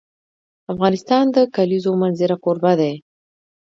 افغانستان د د کلیزو منظره کوربه دی.